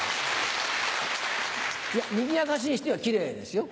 にぎやかしにしてはキレイですよ。